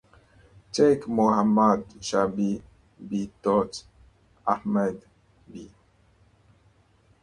Sheikh Mohammed Shakir b. Ahmad b.